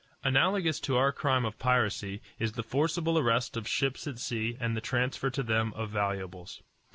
Analogous to our crime of piracy is the forcible arrest of ships at sea and the transfer to them of valuables.